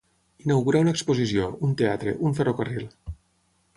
Inaugurar una exposició, un teatre, un ferrocarril.